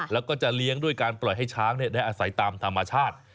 แล้วก็จะเลี้ยงด้วยการปล่อยให้ช้างได้อาศัยตามธรรมชาติ